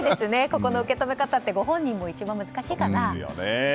ここの受け止め方ってご本人も一番難しいかな。